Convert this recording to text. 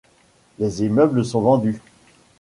Les immeubles sont vendus.